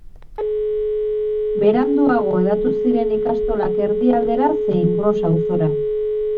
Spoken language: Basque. Beranduago hedatu ziren ikastolak erdi aldera, zein Gros auzora.